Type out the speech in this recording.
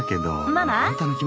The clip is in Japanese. ママ。